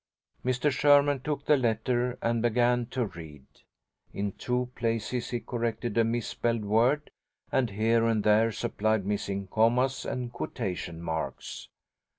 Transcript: Mr. Sherman took the letter and began to read. In two places he corrected a misspelled word, and here and there supplied missing commas and quotation marks.